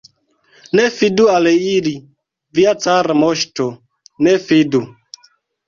Ne fidu al ili, via cara moŝto, ne fidu!